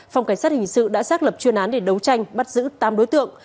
phòng cảnh sát hình sự đã xác lập chuyên án để đấu tranh bắt giữ tám đối tượng